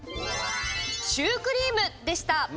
「シュークリーム」でした。